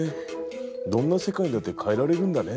どんな世界だって変えられるんだね。